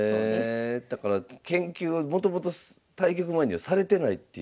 へえだから研究はもともと対局前にはされてないっていう。